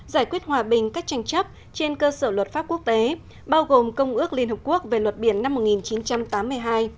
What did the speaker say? giải quyết hòa bình các tranh chấp trên cơ sở luật pháp quốc tế bao gồm công ước liên hợp quốc về luật biển năm một nghìn chín trăm tám mươi hai